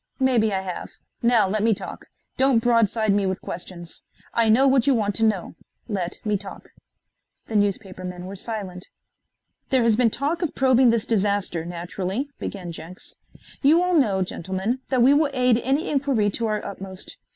"Maybe I have. Now let me talk. Don't broadside me with questions. I know what you want to know. Let me talk." The newspapermen were silent. "There has been talk of probing this disaster, naturally," began Jenks. "You all know, gentlemen, that we will aid any inquiry to our utmost.